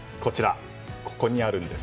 ここにあるんです。